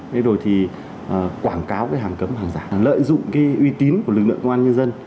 để rồi thì quảng cáo hàng cấm hàng giả lợi dụng uy tín của lực lượng công an nhân dân